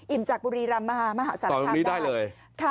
อิ่มจากบุรีรามมาหม่าสารคามตอนนี้ได้เลย